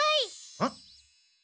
えっ？